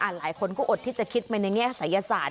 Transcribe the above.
หลายคนก็อดที่จะคิดไปในแง่ศัยศาสต